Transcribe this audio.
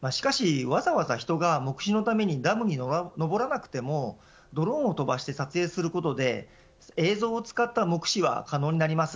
しかし、わざわざ人が目視のためにダムに登らなくてもドローンを飛ばして撮影することで映像を使った目視は可能になります。